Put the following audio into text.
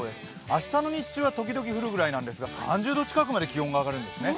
明日の日中は時々降るぐらいなんですが３０度近くまで気温が上がるんですね。